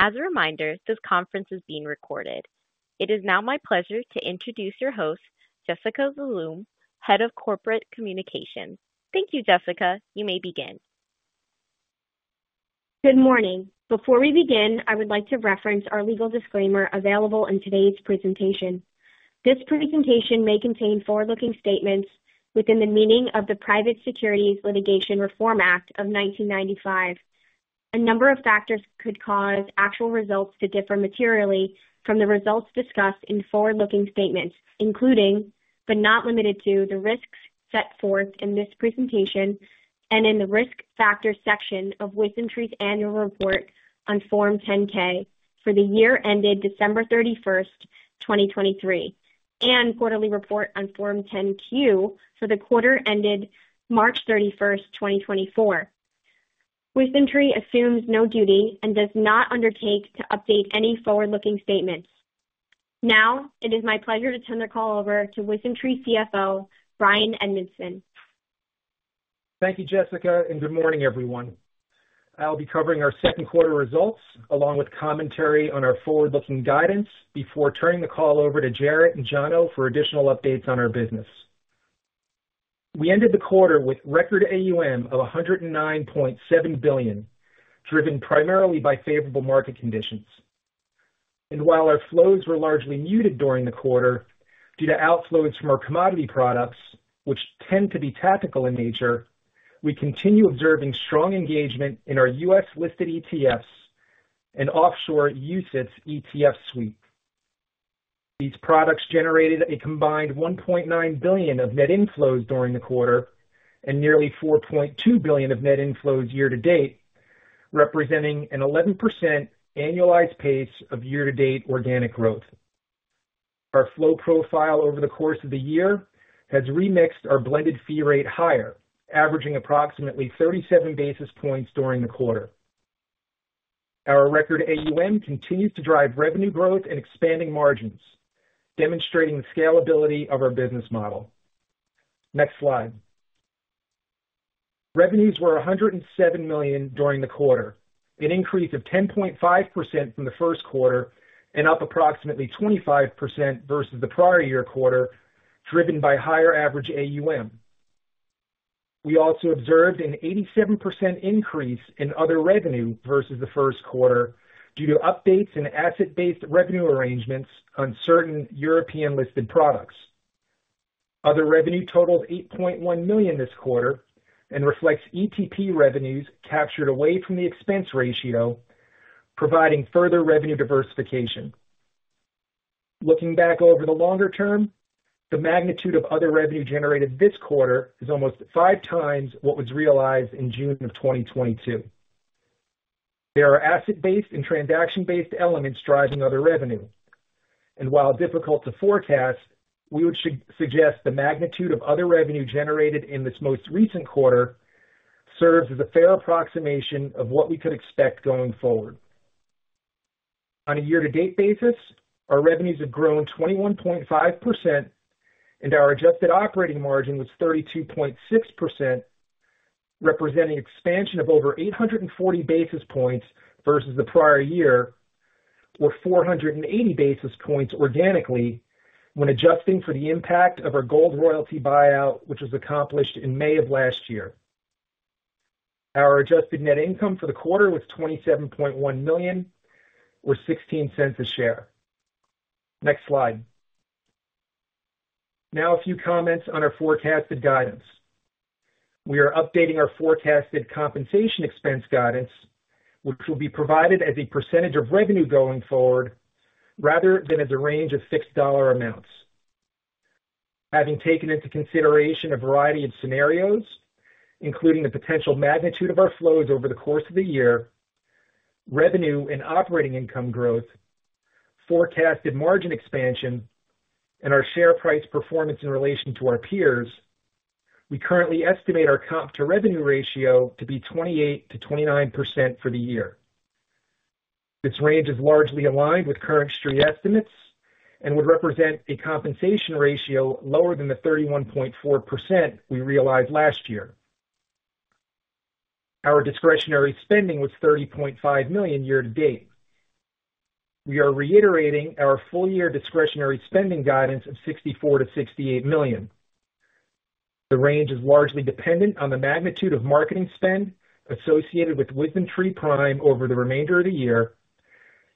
As a reminder, this conference is being recorded. It is now my pleasure to introduce your host, Jessica Zaloom, Head of Corporate Communications. Thank you, Jessica. You may begin. Good morning. Before we begin, I would like to reference our legal disclaimer available in today's presentation. This presentation may contain forward-looking statements within the meaning of the Private Securities Litigation Reform Act of 1995. A number of factors could cause actual results to differ materially from the results discussed in forward-looking statements, including, but not limited to, the risks set forth in this presentation and in the Risk Factors section of WisdomTree's annual report on Form 10-K for the year ended December 31, 2023, and quarterly report on Form 10-Q for the quarter ended March 31, 2024. WisdomTree assumes no duty and does not undertake to update any forward-looking statements. Now, it is my pleasure to turn the call over to WisdomTree CFO, Bryan Edmiston. Thank you, Jessica, and good morning, everyone. I'll be covering our second quarter results, along with commentary on our forward-looking guidance, before turning the call over to Jarrett and Jono for additional updates on our business. We ended the quarter with record AUM of $109.7 billion, driven primarily by favorable market conditions. While our flows were largely muted during the quarter due to outflows from our commodity products, which tend to be tactical in nature, we continue observing strong engagement in our U.S.-listed ETFs and offshore UCITS ETF suite. These products generated a combined $1.9 billion of net inflows during the quarter, and nearly $4.2 billion of net inflows year to date, representing an 11% annualized pace of year-to-date organic growth. Our flow profile over the course of the year has remixed our blended fee rate higher, averaging approximately 37 basis points during the quarter. Our record AUM continues to drive revenue growth and expanding margins, demonstrating the scalability of our business model. Next slide. Revenues were $107 million during the quarter, an increase of 10.5% from the first quarter and up approximately 25% versus the prior year quarter, driven by higher average AUM. We also observed an 87% increase in other revenue versus the first quarter due to updates in asset-based revenue arrangements on certain European-listed products. Other revenue totaled $8.1 million this quarter and reflects ETP revenues captured away from the expense ratio, providing further revenue diversification. Looking back over the longer term, the magnitude of other revenue generated this quarter is almost 5 times what was realized in June of 2022. There are asset-based and transaction-based elements driving other revenue, and while difficult to forecast, we would suggest the magnitude of other revenue generated in this most recent quarter serves as a fair approximation of what we could expect going forward. On a year-to-date basis, our revenues have grown 21.5%, and our adjusted operating margin was 32.6%, representing expansion of over 840 basis points versus the prior year, or 480 basis points organically when adjusting for the impact of our gold royalty buyout, which was accomplished in May of last year. Our adjusted net income for the quarter was $27.1 million, or $0.16 a share. Next slide. Now, a few comments on our forecasted guidance. We are updating our forecasted compensation expense guidance, which will be provided as a percentage of revenue going forward rather than as a range of fixed dollar amounts. Having taken into consideration a variety of scenarios, including the potential magnitude of our flows over the course of the year, revenue and operating income growth, forecasted margin expansion, and our share price performance in relation to our peers, we currently estimate our comp to revenue ratio to be 28%-29% for the year. This range is largely aligned with current street estimates and would represent a compensation ratio lower than the 31.4% we realized last year. Our discretionary spending was $30.5 million year to date. We are reiterating our full year discretionary spending guidance of $64 million-$68 million. The range is largely dependent on the magnitude of marketing spend associated with WisdomTree Prime over the remainder of the year,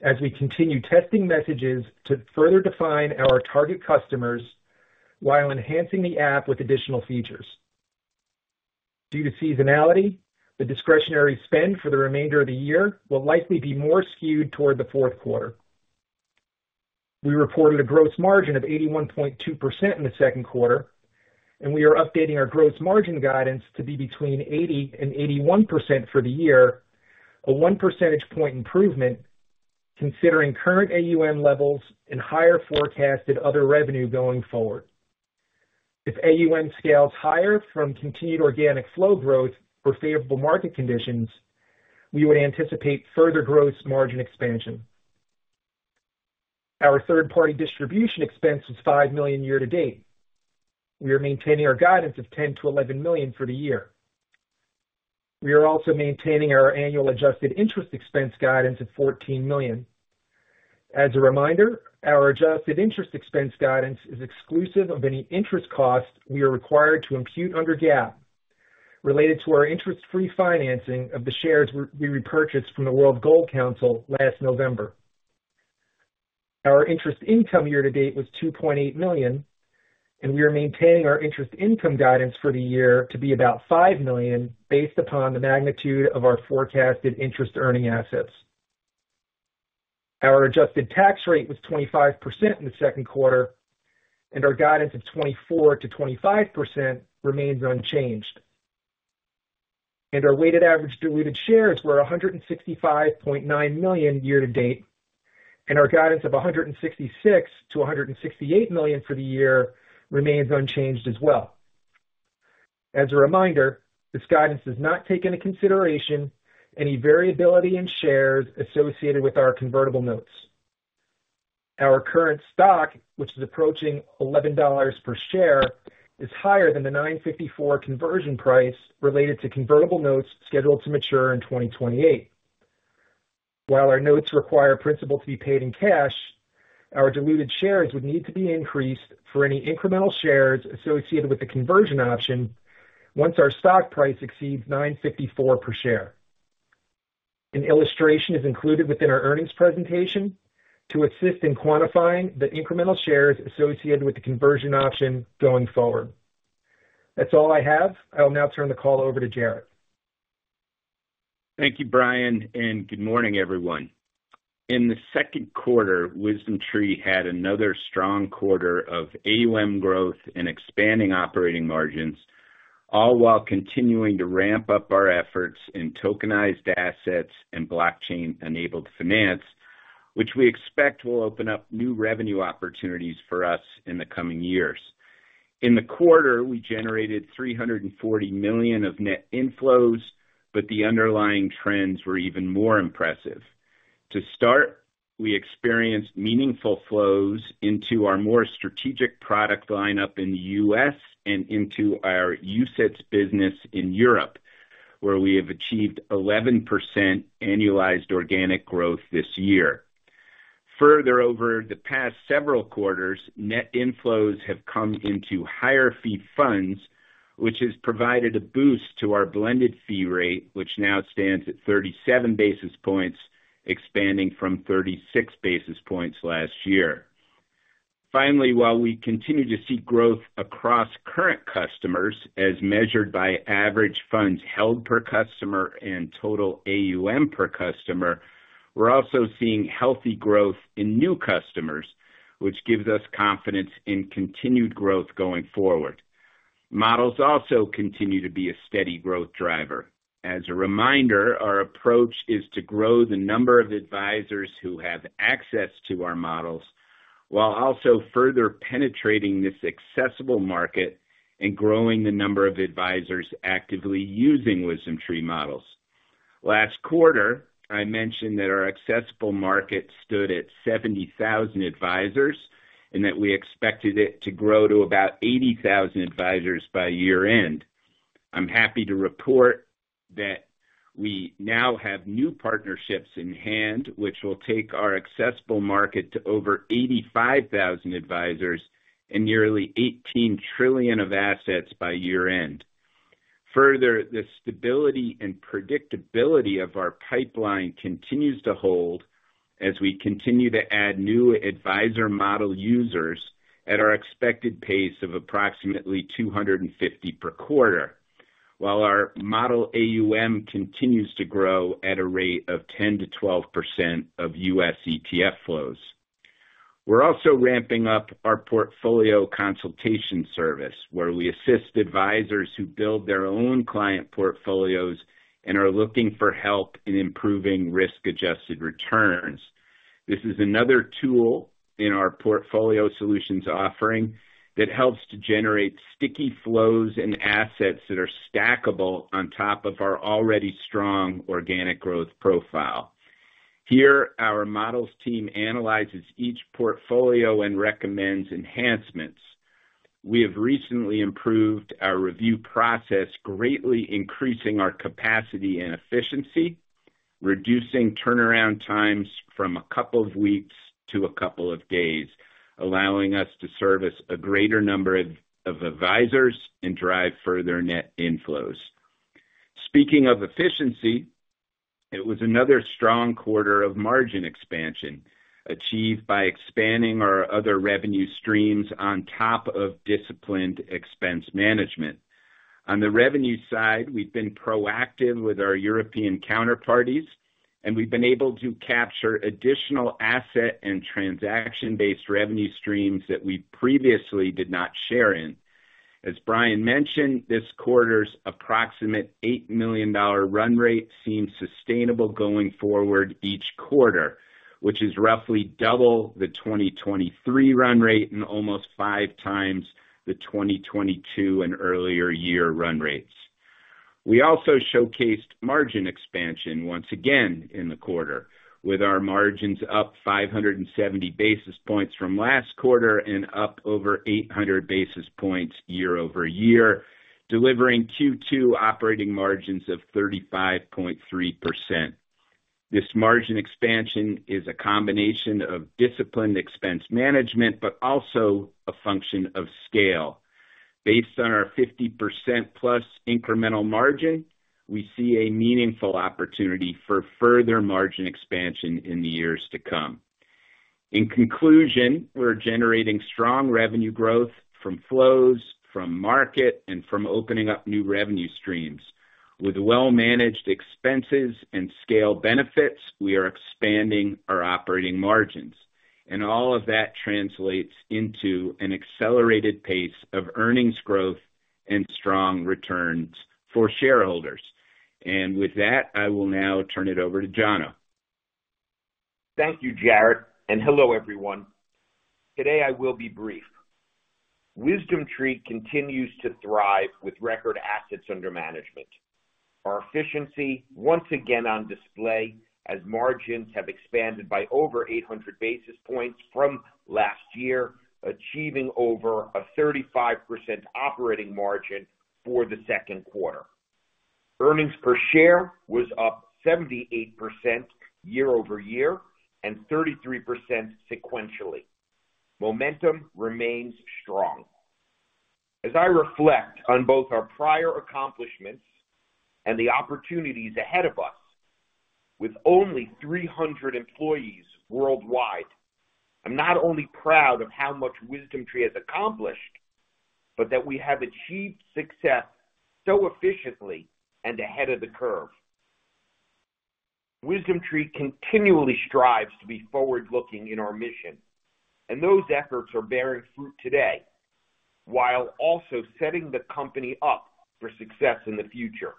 as we continue testing messages to further define our target customers while enhancing the app with additional features. Due to seasonality, the discretionary spend for the remainder of the year will likely be more skewed toward the fourth quarter. We reported a gross margin of 81.2% in the second quarter, and we are updating our gross margin guidance to be between 80% and 81% for the year, a one percentage point improvement, considering current AUM levels and higher forecasted other revenue going forward. If AUM scales higher from continued organic flow growth or favorable market conditions, we would anticipate further gross margin expansion.... Our third party distribution expense was $5 million year to date. We are maintaining our guidance of $10 million-$11 million for the year. We are also maintaining our annual adjusted interest expense guidance of $14 million. As a reminder, our adjusted interest expense guidance is exclusive of any interest costs we are required to impute under GAAP, related to our interest-free financing of the shares we repurchased from the World Gold Council last November. Our interest income year to date was $2.8 million, and we are maintaining our interest income guidance for the year to be about $5 million, based upon the magnitude of our forecasted interest earning assets. Our adjusted tax rate was 25% in the second quarter, and our guidance of 24%-25% remains unchanged. Our weighted average diluted shares were 165.9 million year to date, and our guidance of 166-168 million for the year remains unchanged as well. As a reminder, this guidance does not take into consideration any variability in shares associated with our convertible notes. Our current stock, which is approaching $11 per share, is higher than the $9.54 conversion price related to convertible notes scheduled to mature in 2028. While our notes require principal to be paid in cash, our diluted shares would need to be increased for any incremental shares associated with the conversion option once our stock price exceeds $9.54 per share. An illustration is included within our earnings presentation to assist in quantifying the incremental shares associated with the conversion option going forward. That's all I have. I'll now turn the call over to Jarrett. Thank you, Bryan, and good morning, everyone. In the second quarter, WisdomTree had another strong quarter of AUM growth and expanding operating margins, all while continuing to ramp up our efforts in tokenized assets and blockchain-enabled finance, which we expect will open up new revenue opportunities for us in the coming years. In the quarter, we generated $340 million of net inflows, but the underlying trends were even more impressive. To start, we experienced meaningful flows into our more strategic product lineup in the U.S. and into our UCITS business in Europe, where we have achieved 11% annualized organic growth this year. Further, over the past several quarters, net inflows have come into higher fee funds, which has provided a boost to our blended fee rate, which now stands at 37 basis points, expanding from 36 basis points last year. Finally, while we continue to see growth across current customers, as measured by average funds held per customer and total AUM per customer, we're also seeing healthy growth in new customers, which gives us confidence in continued growth going forward. Models also continue to be a steady growth driver. As a reminder, our approach is to grow the number of advisors who have access to our models, while also further penetrating this accessible market and growing the number of advisors actively using WisdomTree models. Last quarter, I mentioned that our accessible market stood at 70,000 advisors and that we expected it to grow to about 80,000 advisors by year-end. I'm happy to report that we now have new partnerships in hand, which will take our accessible market to over 85,000 advisors and nearly $18 trillion of assets by year-end. Further, the stability and predictability of our pipeline continues to hold as we continue to add new advisor model users at our expected pace of approximately 250 per quarter, while our model AUM continues to grow at a rate of 10%-12% of U.S. ETF flows. We're also ramping up our portfolio consultation service, where we assist advisors who build their own client portfolios and are looking for help in improving risk-adjusted returns. This is another tool in our portfolio solutions offering that helps to generate sticky flows and assets that are stackable on top of our already strong organic growth profile. Here, our models team analyzes each portfolio and recommends enhancements. We have recently improved our review process, greatly increasing our capacity and efficiency, reducing turnaround times from a couple of weeks to a couple of days, allowing us to service a greater number of advisors and drive further net inflows. Speaking of efficiency, it was another strong quarter of margin expansion, achieved by expanding our other revenue streams on top of disciplined expense management. On the revenue side, we've been proactive with our European counterparties, and we've been able to capture additional asset and transaction-based revenue streams that we previously did not share in. As Bryan mentioned, this quarter's approximate $8 million run rate seems sustainable going forward each quarter, which is roughly double the 2023 run rate and almost five times the 2022 and earlier year run rates. We also showcased margin expansion once again in the quarter, with our margins up 570 basis points from last quarter and up over 800 basis points year-over-year, delivering Q2 operating margins of 35.3%. This margin expansion is a combination of disciplined expense management, but also a function of scale. Based on our 50%+ incremental margin, we see a meaningful opportunity for further margin expansion in the years to come. In conclusion, we're generating strong revenue growth from flows, from market, and from opening up new revenue streams. With well-managed expenses and scale benefits, we are expanding our operating margins, and all of that translates into an accelerated pace of earnings growth and strong returns for shareholders. With that, I will now turn it over to Jono. Thank you, Jarrett, and hello, everyone. Today I will be brief. WisdomTree continues to thrive with record assets under management. Our efficiency once again on display as margins have expanded by over 800 basis points from last year, achieving over a 35% operating margin for the second quarter. Earnings per share was up 78% year over year and 33% sequentially. Momentum remains strong. As I reflect on both our prior accomplishments and the opportunities ahead of us, with only 300 employees worldwide, I'm not only proud of how much WisdomTree has accomplished, but that we have achieved success so efficiently and ahead of the curve. WisdomTree continually strives to be forward-looking in our mission, and those efforts are bearing fruit today, while also setting the company up for success in the future.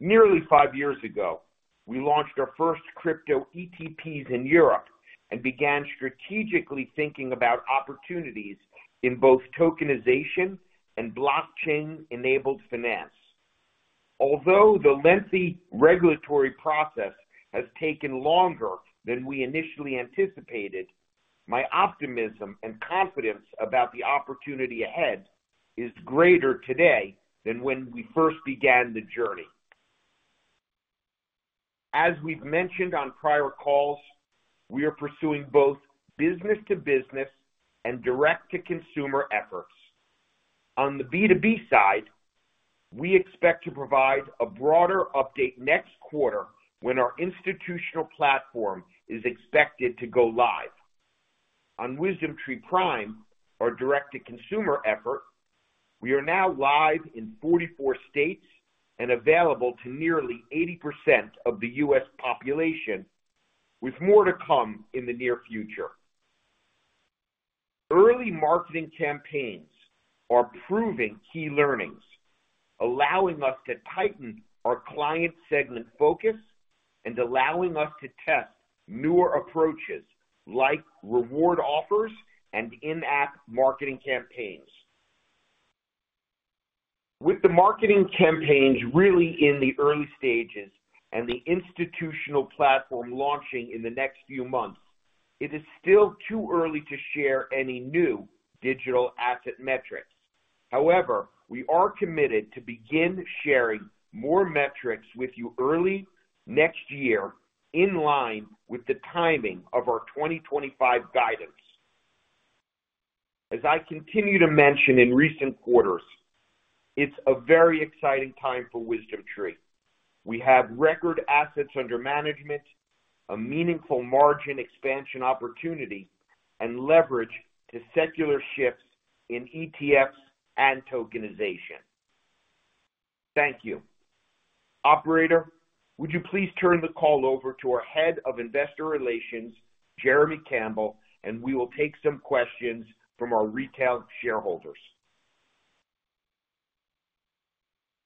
Nearly 5 years ago, we launched our first crypto ETPs in Europe and began strategically thinking about opportunities in both tokenization and blockchain-enabled finance. Although the lengthy regulatory process has taken longer than we initially anticipated, my optimism and confidence about the opportunity ahead is greater today than when we first began the journey. As we've mentioned on prior calls, we are pursuing both business-to-business and direct-to-consumer efforts. On the B2B side, we expect to provide a broader update next quarter when our institutional platform is expected to go live. On WisdomTree Prime, our direct-to-consumer effort, we are now live in 44 states and available to nearly 80% of the U.S. population, with more to come in the near future. Early marketing campaigns are proving key learnings, allowing us to tighten our client segment focus and allowing us to test newer approaches like reward offers and in-app marketing campaigns. With the marketing campaigns really in the early stages and the institutional platform launching in the next few months, it is still too early to share any new digital asset metrics. However, we are committed to begin sharing more metrics with you early next year, in line with the timing of our 2025 guidance. As I continue to mention in recent quarters, it's a very exciting time for WisdomTree. We have record assets under management, a meaningful margin expansion opportunity, and leverage to secular shifts in ETFs and tokenization. Thank you. Operator, would you please turn the call over to our head of investor relations, Jeremy Campbell, and we will take some questions from our retail shareholders.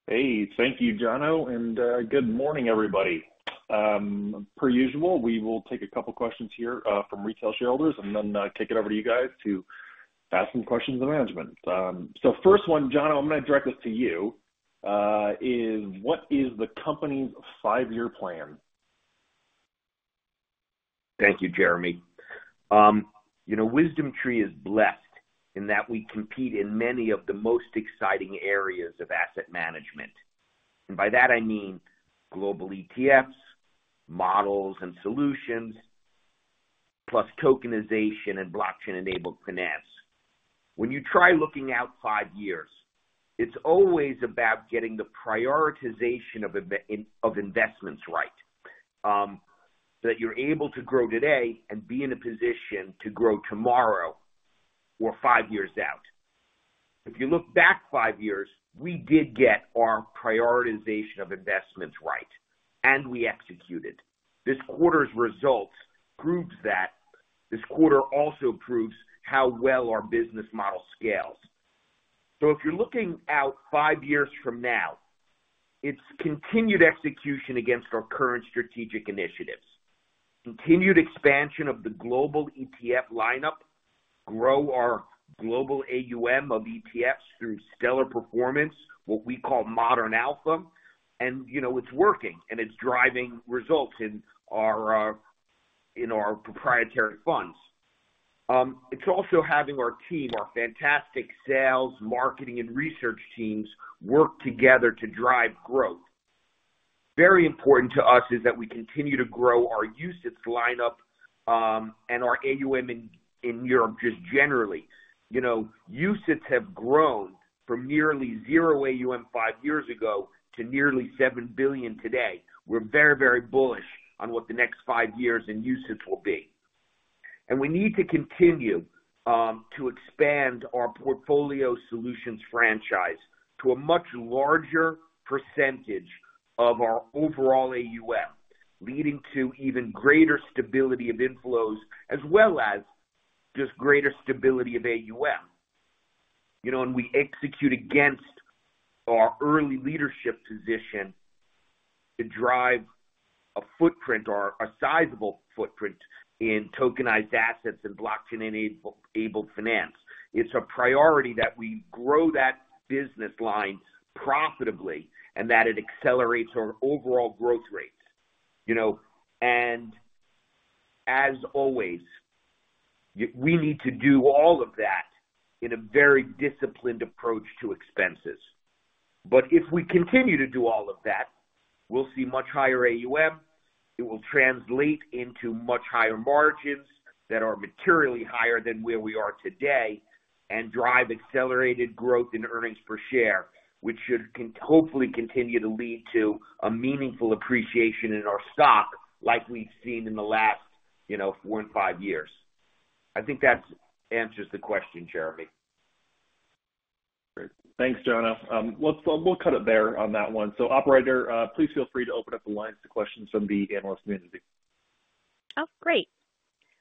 Hey, thank you, Jono, and good morning, everybody. Per usual, we will take a couple questions here from retail shareholders and then take it over to you guys to ask some questions of management. So first one, Jono, I'm gonna direct this to you, is: What is the company's five-year plan? Thank you, Jeremy. You know, WisdomTree is blessed in that we compete in many of the most exciting areas of asset management. And by that, I mean global ETFs, models and solutions, plus tokenization and blockchain-enabled finance. When you try looking out five years, it's always about getting the prioritization of investments right, that you're able to grow today and be in a position to grow tomorrow or five years out. If you look back five years, we did get our prioritization of investments right, and we executed. This quarter's results proves that. This quarter also proves how well our business model scales. So if you're looking out five years from now, it's continued execution against our current strategic initiatives, continued expansion of the global ETF lineup, grow our global AUM of ETFs through stellar performance, what we call Modern Alpha. And, you know, it's working, and it's driving results in our, in our proprietary funds. It's also having our team, our fantastic sales, marketing, and research teams, work together to drive growth. Very important to us is that we continue to grow our UCITS lineup, and our AUM in Europe, just generally. You know, UCITS have grown from nearly zero AUM five years ago to nearly $7 billion today. We're very, very bullish on what the next five years in UCITS will be. And we need to continue, to expand our portfolio solutions franchise to a much larger percentage of our overall AUM, leading to even greater stability of inflows, as well as just greater stability of AUM. You know, and we execute against our early leadership position to drive a footprint or a sizable footprint in tokenized assets and blockchain-enabled finance. It's a priority that we grow that business line profitably and that it accelerates our overall growth rates. You know, and as always, we need to do all of that in a very disciplined approach to expenses. But if we continue to do all of that, we'll see much higher AUM. It will translate into much higher margins that are materially higher than where we are today, and drive accelerated growth in earnings per share, which should hopefully continue to lead to a meaningful appreciation in our stock, like we've seen in the last, you know, 4 and 5 years. I think that answers the question, Jeremy. Great. Thanks, Jono. Let's, we'll cut it there on that one. So, Operator, please feel free to open up the lines to questions from the analyst community. Oh, great.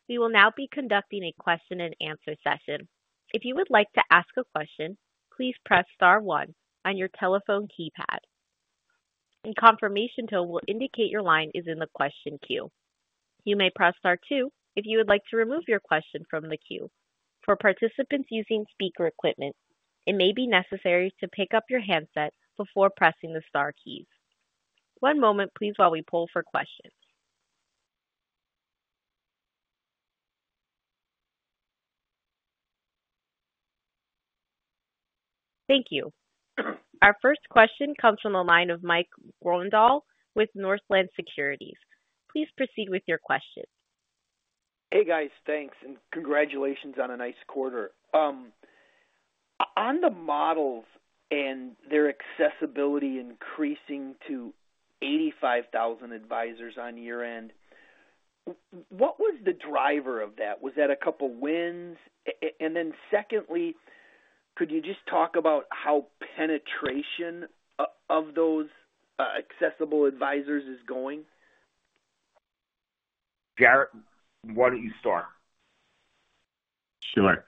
We will now be conducting a question-and-answer session. If you would like to ask a question, please press star one on your telephone keypad. A confirmation tone will indicate your line is in the question queue. You may press star two if you would like to remove your question from the queue. For participants using speaker equipment, it may be necessary to pick up your handset before pressing the star keys. One moment, please, while we pull for questions. Thank you. Our first question comes from the line of Mike Grondahl with Northland Securities. Please proceed with your question. Hey, guys, thanks, and congratulations on a nice quarter. On the models and their accessibility increasing to 85,000 advisors on your end, what was the driver of that? Was that a couple wins? And then secondly, could you just talk about how penetration of those accessible advisors is going? Jarrett, why don't you start? Sure.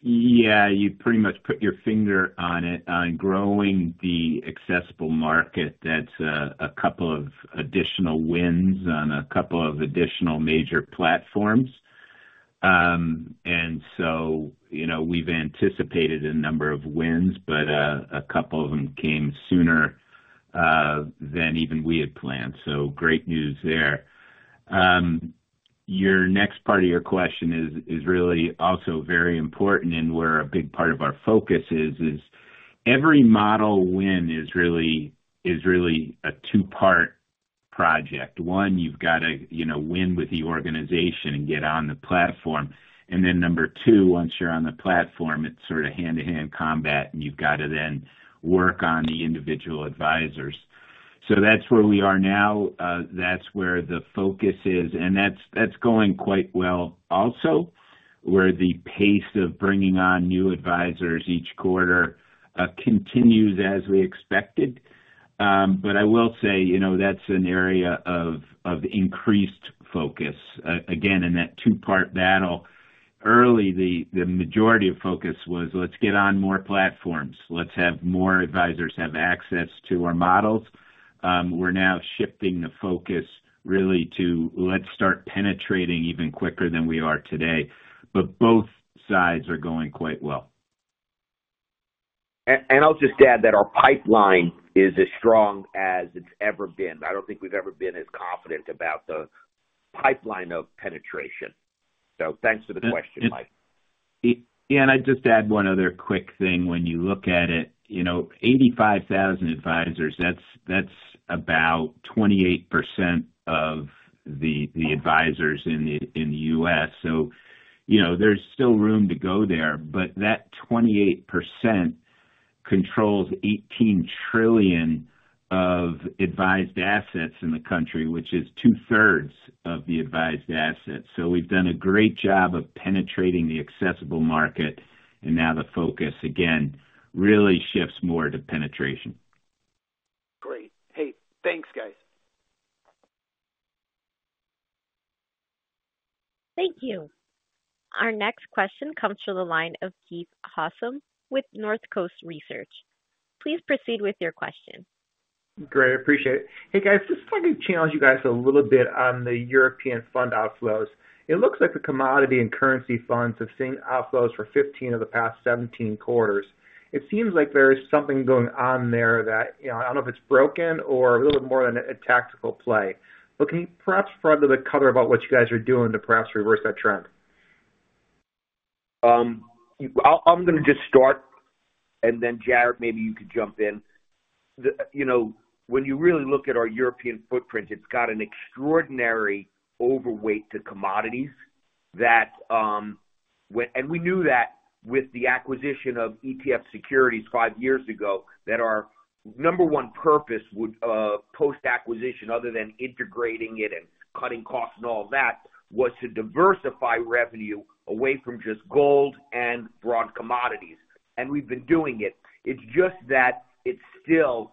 Yeah, you pretty much put your finger on it. On growing the accessible market, that's a couple of additional wins on a couple of additional major platforms. And so, you know, we've anticipated a number of wins, but a couple of them came sooner than even we had planned. So great news there. Your next part of your question is really also very important, and where a big part of our focus is every model win is really a two-part project. One, you've got to, you know, win with the organization and get on the platform. And then number two, once you're on the platform, it's sort of hand-to-hand combat, and you've got to then work on the individual advisors. So that's where we are now. That's where the focus is, and that's going quite well also, where the pace of bringing on new advisors each quarter continues as we expected. But I will say, you know, that's an area of increased focus. Again, in that two-part battle, early, the majority of focus was, let's get on more platforms. Let's have more advisors have access to our models. We're now shifting the focus really to, let's start penetrating even quicker than we are today, but both sides are going quite well. I'll just add that our pipeline is as strong as it's ever been. I don't think we've ever been as confident about the pipeline of penetration. So thanks for the question, Mike. Yeah, and I'd just add one other quick thing. When you look at it, you know, 85,000 advisors, that's, that's about 28% of the, the advisors in the, in the U.S. So, you know, there's still room to go there, but that 28% controls $18 trillion of advised assets in the country, which is two-thirds of the advised assets. So we've done a great job of penetrating the accessible market, and now the focus, again, really shifts more to penetration. Great. Hey, thanks, guys. Thank you. Our next question comes from the line of Keith Housum with Northcoast Research. Please proceed with your question. Great, appreciate it. Hey, guys, just wanted to challenge you guys a little bit on the European fund outflows. It looks like the commodity and currency funds have seen outflows for 15 of the past 17 quarters. It seems like there is something going on there that, you know, I don't know if it's broken or a little bit more than a tactical play. But can you perhaps provide a little color about what you guys are doing to perhaps reverse that trend? I'm going to just start, and then, Jarrett, maybe you could jump in. The... You know, when you really look at our European footprint, it's got an extraordinary overweight to commodities that, when-- And we knew that with the acquisition of ETF Securities five years ago, that our number one purpose would, post-acquisition, other than integrating it and cutting costs and all of that, was to diversify revenue away from just gold and broad commodities. And we've been doing it. It's just that it's still,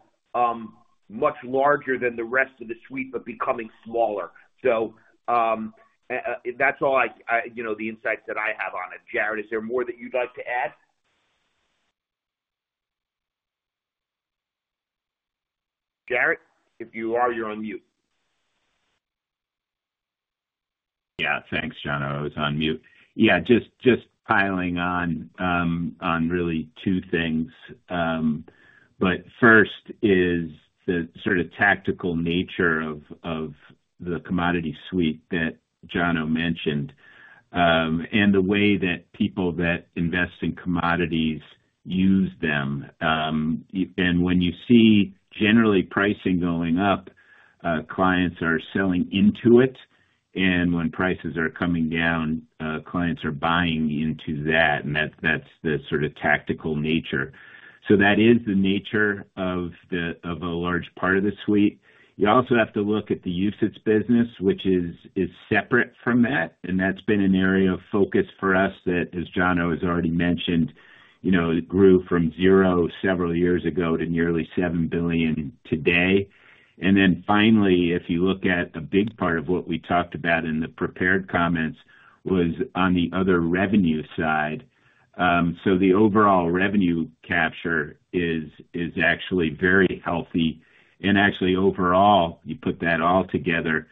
much larger than the rest of the suite, but becoming smaller. So, that's all I, you know, the insights that I have on it. Jarrett, is there more that you'd like to add? Jarrett, if you are, you're on mute. Yeah, thanks, Jono. I was on mute. Yeah, just piling on really two things. But first is the sort of tactical nature of the commodity suite that Jono mentioned, and the way that people that invest in commodities use them. And when you see generally pricing going up, clients are selling into it, and when prices are coming down, clients are buying into that, and that's the sort of tactical nature. So that is the nature of a large part of the suite. You also have to look at the UCITS business, which is separate from that, and that's been an area of focus for us that, as Jono has already mentioned, you know, it grew from zero several years ago to nearly $7 billion today. Then finally, if you look at the big part of what we talked about in the prepared comments, was on the other revenue side. So the overall revenue capture is actually very healthy. Actually overall, you put that all together,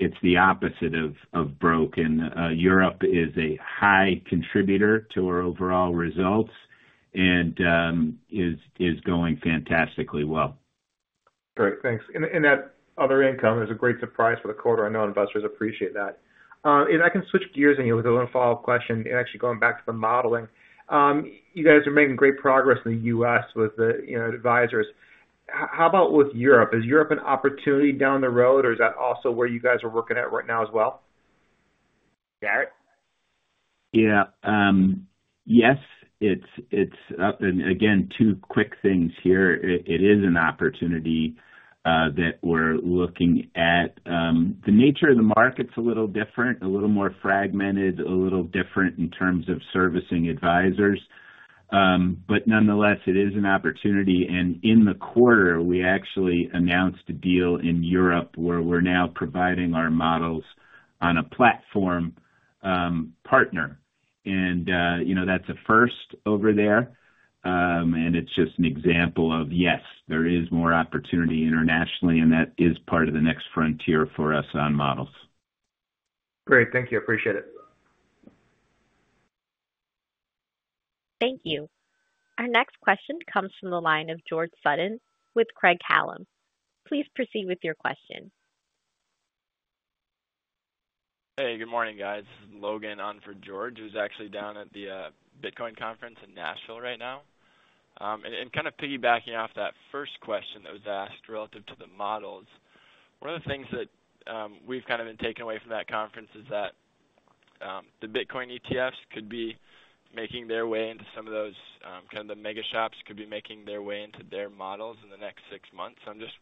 it's the opposite of broken. Europe is a high contributor to our overall results and is going fantastically well. Great, thanks. And that other income is a great surprise for the quarter. I know investors appreciate that. If I can switch gears on you with one follow-up question, and actually going back to the modeling. You guys are making great progress in the U.S. with the, you know, advisors. How about with Europe? Is Europe an opportunity down the road, or is that also where you guys are working at right now as well? Jarrett? Yeah, yes, it's up, and again, two quick things here. It is an opportunity that we're looking at. The nature of the market's a little different, a little more fragmented, a little different in terms of servicing advisors. But nonetheless, it is an opportunity, and in the quarter, we actually announced a deal in Europe, where we're now providing our models on a platform partner. And, you know, that's a first over there. And it's just an example of, yes, there is more opportunity internationally, and that is part of the next frontier for us on models. Great. Thank you. I appreciate it. Thank you. Our next question comes from the line of George Sutton with Craig-Hallum. Please proceed with your question. Hey, good morning, guys. This is Logan on for George, who's actually down at the Bitcoin conference in Nashville right now. And kind of piggybacking off that first question that was asked relative to the models, one of the things that we've kind of been taking away from that conference is that the Bitcoin ETFs could be making their way into some of those kind of the mega shops could be making their way into their models in the next six months. I'm just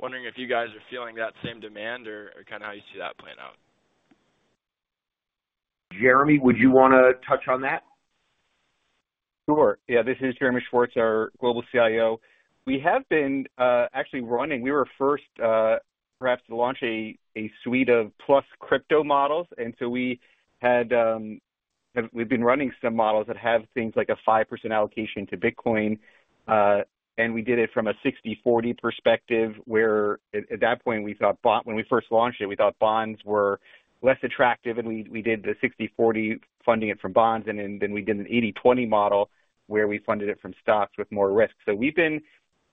wondering if you guys are feeling that same demand or kind of how you see that playing out. Jeremy, would you want to touch on that? Sure. Yeah, this is Jeremy Schwartz, our Global CIO. We have been actually running. We were first perhaps to launch a suite of plus crypto models, and so we've been running some models that have things like a 5% allocation to Bitcoin, and we did it from a 60/40 perspective, where at that point, we thought bonds were less attractive, and we did the 60/40 funding it from bonds, and then we did an 80/20 model, where we funded it from stocks with more risk. So we've been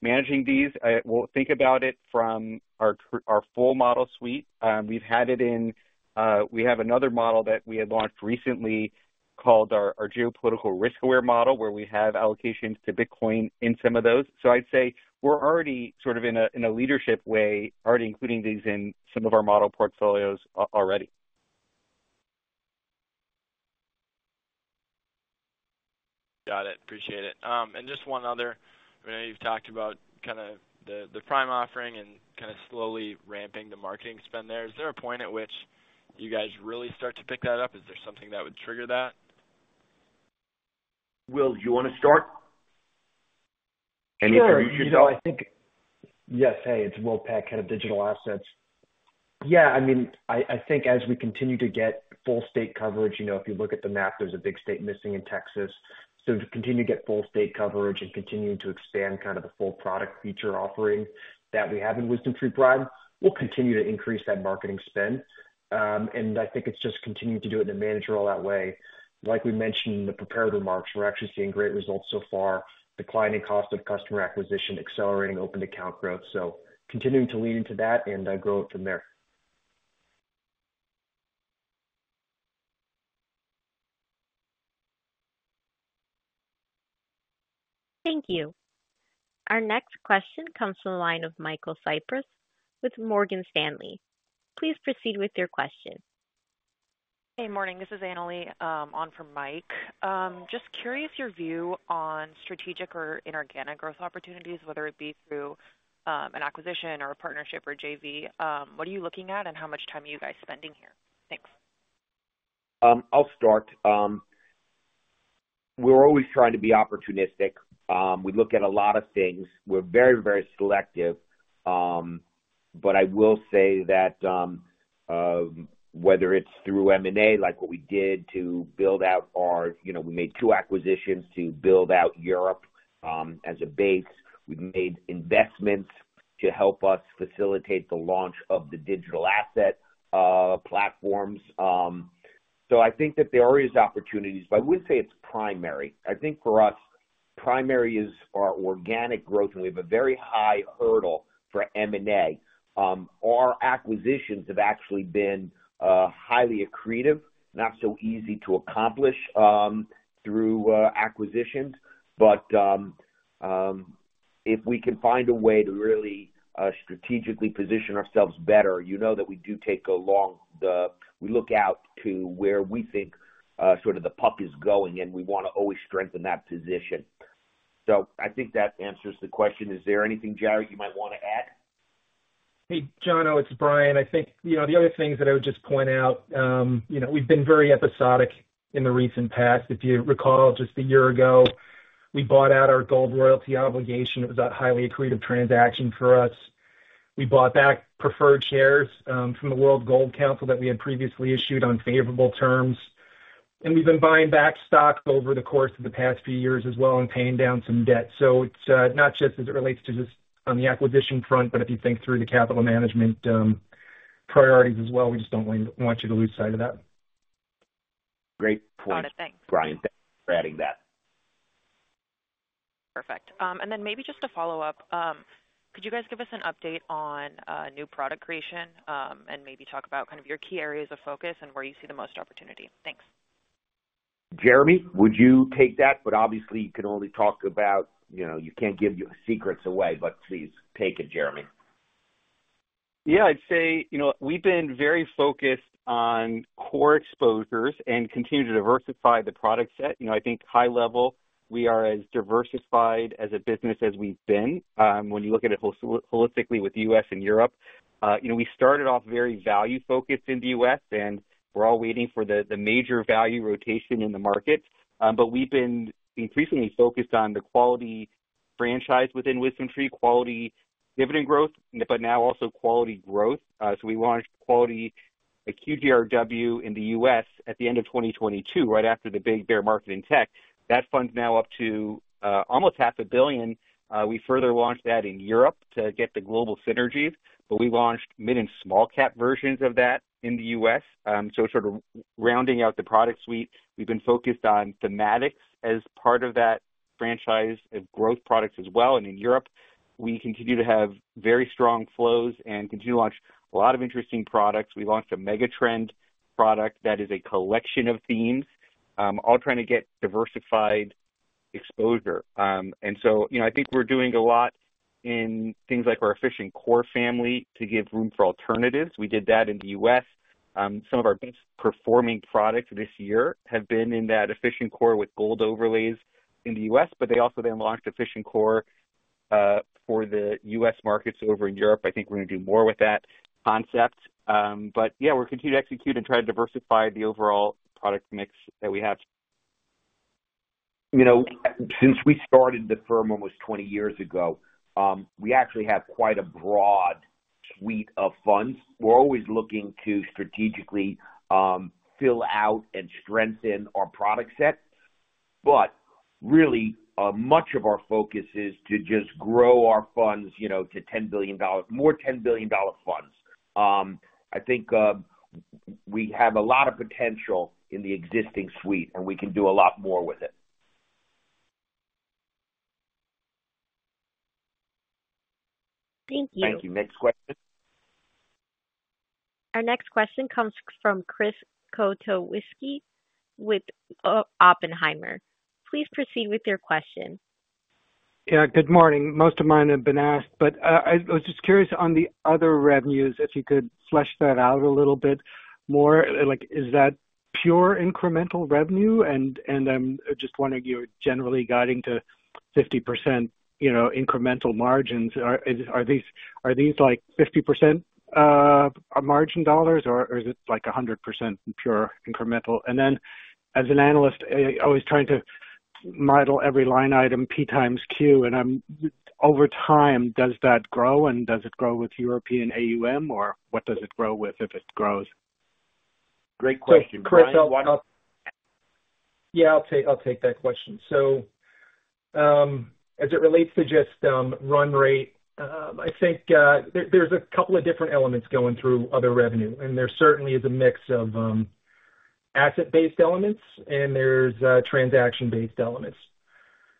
managing these. We'll think about it from our full model suite. We've had it in, we have another model that we had launched recently called our Geopolitical Risk-Aware Model, where we have allocations to Bitcoin in some of those. So I'd say we're already sort of in a leadership way, already including these in some of our model portfolios already. Got it. Appreciate it. And just one other. I know you've talked about kind of the Prime offering and kind of slowly ramping the marketing spend there. Is there a point at which you guys really start to pick that up? Is there something that would trigger that? ... Will, do you want to start? Introduce yourself. Sure. You know, I think, yes. Hey, it's Will Peck, Head of Digital Assets. Yeah, I mean, I think as we continue to get full state coverage, you know, if you look at the map, there's a big state missing in Texas. So to continue to get full state coverage and continue to expand kind of the full product feature offering that we have in WisdomTree Prime, we'll continue to increase that marketing spend. And I think it's just continuing to do it in a managerial way. Like we mentioned in the prepared remarks, we're actually seeing great results so far, declining cost of customer acquisition, accelerating open account growth. So continuing to lean into that and grow it from there. Thank you. Our next question comes from the line of Michael Cyprys with Morgan Stanley. Please proceed with your question. Hey, morning. This is Annalee, on for Mike. Just curious, your view on strategic or inorganic growth opportunities, whether it be through an acquisition or a partnership or JV. What are you looking at, and how much time are you guys spending here? Thanks. I'll start. We're always trying to be opportunistic. We look at a lot of things. We're very, very selective. But I will say that, whether it's through M&A, like what we did to build out our... You know, we made two acquisitions to build out Europe as a base. We've made investments to help us facilitate the launch of the digital asset platforms. So I think that there always opportunities, but I would say it's primary. I think for us, primary is our organic growth, and we have a very high hurdle for M&A. Our acquisitions have actually been highly accretive, not so easy to accomplish through acquisitions. But, if we can find a way to really strategically position ourselves better, you know that we do take a long, we look out to where we think, sort of the puck is going, and we wanna always strengthen that position. So I think that answers the question. Is there anything, Jarrett, you might want to add? Hey, John, it's Brian. I think, you know, the other things that I would just point out, you know, we've been very episodic in the recent past. If you recall, just a year ago, we bought out our gold royalty obligation. It was a highly accretive transaction for us. We bought back preferred shares from the World Gold Council that we had previously issued on favorable terms, and we've been buying back stock over the course of the past few years as well and paying down some debt. So it's not just as it relates to just on the acquisition front, but if you think through the capital management priorities as well, we just don't want you to lose sight of that. Great point- Got it. Thanks. Bryan, thanks for adding that. Perfect. And then maybe just to follow up, could you guys give us an update on new product creation, and maybe talk about kind of your key areas of focus and where you see the most opportunity? Thanks. Jeremy, would you take that? But obviously, you can only talk about, you know, you can't give your secrets away, but please take it, Jeremy. Yeah, I'd say, you know, we've been very focused on core exposures and continue to diversify the product set. You know, I think high level, we are as diversified as a business as we've been, when you look at it holistically with US and Europe. You know, we started off very value-focused in the US, and we're all waiting for the major value rotation in the market. But we've been increasingly focused on the quality franchise within WisdomTree, quality dividend growth, but now also quality growth. So we launched quality, a QGRW in the US at the end of 2022, right after the big bear market in tech. That fund's now up to almost $500 million. We further launched that in Europe to get the global synergies, but we launched mid and small cap versions of that in the US. So sort of rounding out the product suite, we've been focused on thematics as part of that franchise and growth products as well. And in Europe, we continue to have very strong flows and continue to launch a lot of interesting products. We launched a mega trend product that is a collection of themes, all trying to get diversified exposure. And so, you know, I think we're doing a lot in things like our Efficient Core family to give room for alternatives. We did that in the U.S. Some of our best performing products this year have been in that Efficient Core with gold overlays in the U.S., but they also then launched Efficient Core for the U.S. markets over in Europe. I think we're gonna do more with that concept. But yeah, we'll continue to execute and try to diversify the overall product mix that we have. You know, since we started the firm almost 20 years ago, we actually have quite a broad suite of funds. We're always looking to strategically fill out and strengthen our product set, but really, much of our focus is to just grow our funds, you know, to $10 billion, more $10 billion funds. I think, we have a lot of potential in the existing suite, and we can do a lot more with it. Thank you. Thank you. Next question. Our next question comes from Chris Kotowski with Oppenheimer. Please proceed with your question. Yeah, good morning. Most of mine have been asked, but I was just curious on the other revenues, if you could flesh that out a little bit more. Like, is that pure incremental revenue? And I'm just wondering, you're generally guiding to 50%, you know, incremental margins. Are these like 50% margin dollars, or is it like 100% pure incremental? And then as an analyst, I always trying to model every line item P times Q, and over time, does that grow, and does it grow with European AUM, or what does it grow with if it grows? Great question. Chris, yeah, I'll take that question. So, as it relates to just run rate, I think there's a couple of different elements going through other revenue, and there certainly is a mix of asset-based elements, and there's transaction-based elements.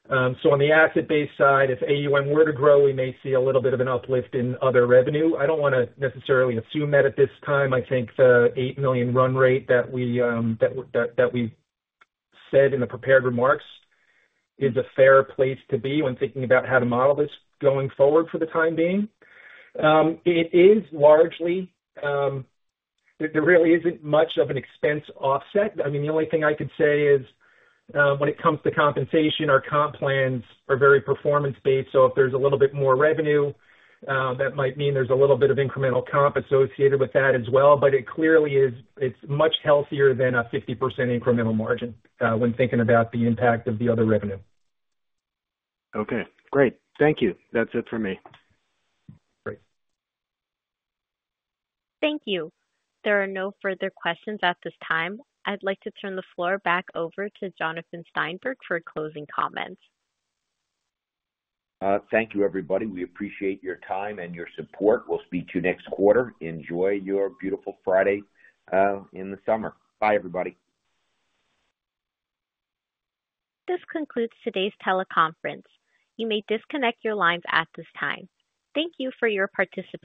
So on the asset-based side, if AUM were to grow, we may see a little bit of an uplift in other revenue. I don't wanna necessarily assume that at this time. I think the $8 million run rate that we said in the prepared remarks is a fair place to be when thinking about how to model this going forward for the time being. It is largely. There really isn't much of an expense offset. I mean, the only thing I could say is, when it comes to compensation, our comp plans are very performance-based, so if there's a little bit more revenue, that might mean there's a little bit of incremental comp associated with that as well, but it clearly is, it's much healthier than a 50% incremental margin, when thinking about the impact of the other revenue. Okay, great. Thank you. That's it for me. Great. Thank you. There are no further questions at this time. I'd like to turn the floor back over to Jonathan Steinberg for closing comments. Thank you, everybody. We appreciate your time and your support. We'll speak to you next quarter. Enjoy your beautiful Friday in the summer. Bye, everybody. This concludes today's teleconference. You may disconnect your lines at this time. Thank you for your participation.